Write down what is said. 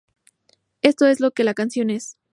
Eso es lo que la canción es.